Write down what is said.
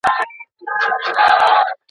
کیتوني حالت تمرکز زیاتوي.